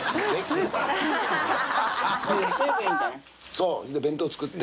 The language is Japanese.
そうそれで弁当作って。